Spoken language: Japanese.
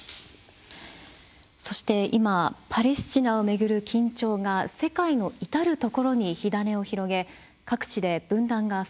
そして今パレスチナを巡る緊張が世界の至る所に火種を広げ各地で分断が深まっています。